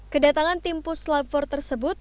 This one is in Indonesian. kedatangan tim puslapfor tersebut